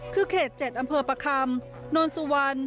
คือเขต๗อำเภอประคำ